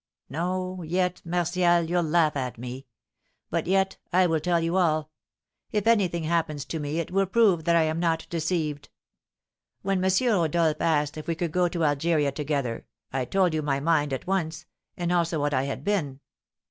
"No! Yet, Martial, you'll laugh at me; but yet I will tell you all. If anything happens to me it will prove that I am not deceived. When M. Rodolph asked if we would go to Algeria together, I told you my mind at once, and also what I had been."